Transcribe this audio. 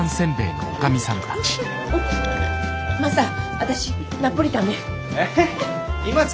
マスター私ナポリタンね。